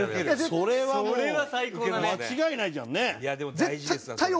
それはもう間違いないじゃんね。